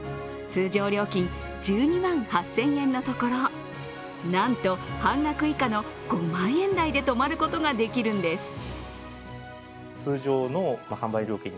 通常料金１２万８０００円のところなんと半額以下の５万円台で泊まることができるんです。